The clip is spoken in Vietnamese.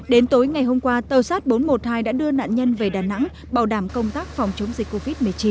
đến tối ngày hôm qua tàu sát bốn trăm một mươi hai đã đưa nạn nhân về đà nẵng bảo đảm công tác phòng chống dịch covid một mươi chín